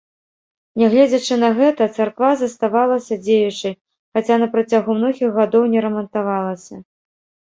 Нягледзячы на гэта, царква заставалася дзеючай, хаця на працягу многіх гадоў не рамантавалася.